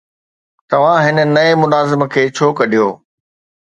توهان هن ٽئين ملازم کي ڇو ڪڍيو؟